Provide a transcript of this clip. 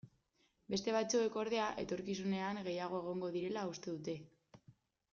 Beste batzuek, ordea, etorkizunean gehiago egongo direla uste dute.